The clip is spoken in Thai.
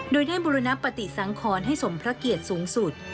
โดยได้บุรณปฏิสังขรให้สมพระเกียรติสูงสุด